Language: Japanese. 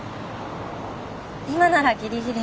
今ならギリギリ。